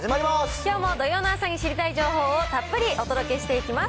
きょうも土曜の朝に知りたい情報をたっぷりお届けしていきます。